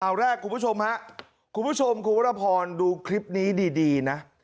เอาแรกคุณผู้ชมฮะคุณผู้ชมคุณวรพรดูคลิปนี้ดีนะ